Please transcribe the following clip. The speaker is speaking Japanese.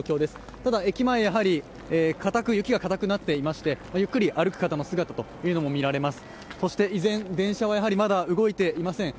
ただ駅前、雪がかたくなっていまして、ゆっくり歩く方の姿も見られます。